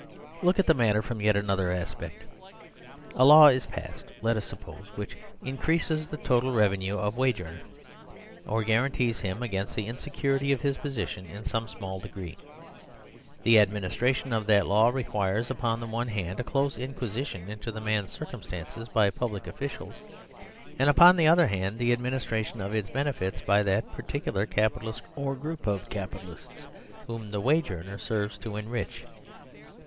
Look at the matter from yet another aspect. A law is passed (let us suppose) which increases the total revenue of a wage earner, or guarantees him against the insecurity of his position in some small degree. The administration of that law requires, upon the one hand, a close inquisition into the man's circumstances by public officials, and, upon the other hand, the ad 142 MAKING FOR SERVILE STATE ministration of its benefits by that particular Capi talist or group of Capitalists whom the wage earner serves to enrich.